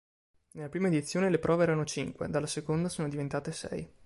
Nella prima edizione le prove erano cinque, dalla seconda sono diventate sei.